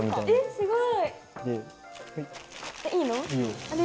すごい！